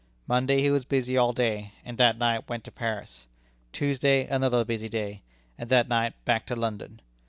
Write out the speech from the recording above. Monday he was busy all day, and that night went to Paris. Tuesday, another busy day, and that night back to London.